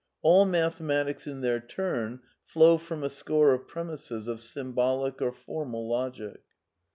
All mathematics in their turn flow from a score of premisses of Symbolic or Formal Logic.